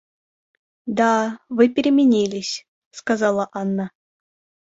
Да, вы переменились, — сказала Анна.